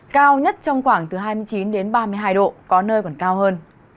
cao nhất trong khoảng từ hai mươi chín ba mươi hai độ có nơi còn cao hơn